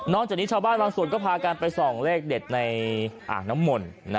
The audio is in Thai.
จากนี้ชาวบ้านบางส่วนก็พากันไปส่องเลขเด็ดในอ่างน้ำมนต์